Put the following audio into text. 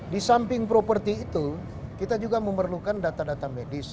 di samping properti itu kita juga memerlukan data data medis